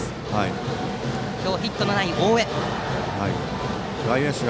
打席には今日、ヒットのない大江。